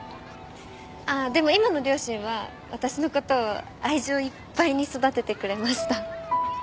あっでも今の両親は私の事を愛情いっぱいに育ててくれました。